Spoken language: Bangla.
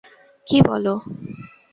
কী, বলো।